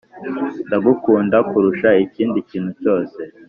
Ndagukunda kurusha ikindi kintu cyose